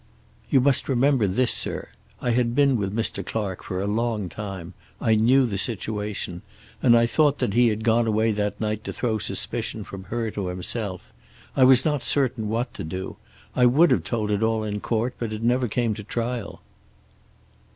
"You must remember this, sir. I had been with Mr. Clark for a long time. I knew the situation. And I thought that he had gone away that night to throw suspicion from her to himself. I was not certain what to do. I would have told it all in court, but it never came to trial."